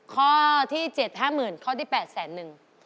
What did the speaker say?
ข้อที่๗๕๐๐๐ข้อที่๘แสนนึง